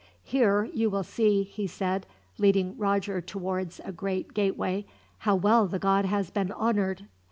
"Here you will see," he said, leading Roger towards a great gateway, "how well the god has been honored."